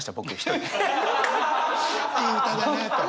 いい歌だねえと？